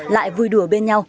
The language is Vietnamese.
lại vui đùa bên nhau